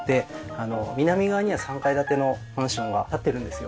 南側には３階建てのマンションが立ってるんですよ。